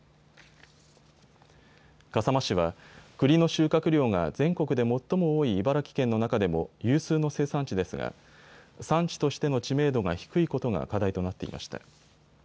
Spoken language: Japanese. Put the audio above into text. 笠間市はくりの収穫量が全国で最も多い茨城県の中でも有数の生産地ですが産地としての知名度が低いことが課題となっていました。